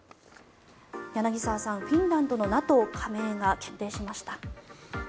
柳澤さん、フィンランドのＮＡＴＯ加盟が決定しました。